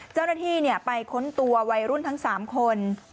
เจ้าหน้าที่ไปค้นตัววัยรุ่นทั้ง๓คน